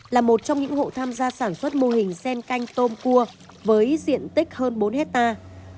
là một trong những hộ tham gia sản xuất mô hình sen canh tôm cua với diện tích hơn bốn hectare